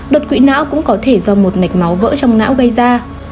đột quỵ não cũng có thể do một mạch máu vỡ trong não gây ra